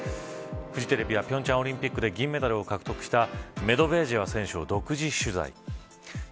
フジテレビは平昌オリンピックで銀メダルを獲得したメドベージェワ選手を独自取材。